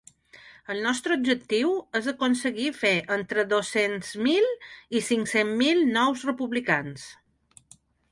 El nostre objectiu és aconseguir fer entre dos-cents mil i cinc-cents mil nous republicans.